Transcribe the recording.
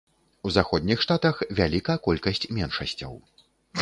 У заходніх штатах вяліка колькасць меншасцяў.